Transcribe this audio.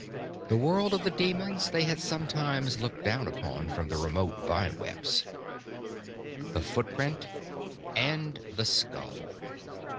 The world of the demons they had sometimes looked down upon from the remote vine webs. The footprint and the skull.